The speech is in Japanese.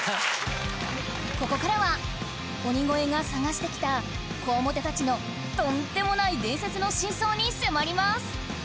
ここからは鬼越が探してきた強面たちのとんでもない伝説の真相に迫ります